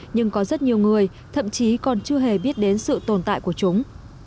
nhưng có rất nhiều người thậm chí còn chưa hề biết đến sự tồn tại của chúng